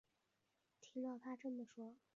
听到她这么说